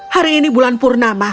hari ini bulan purnama